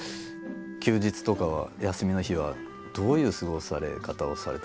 休日とかは休みの日はどういう過ごされ方をされてるんですか？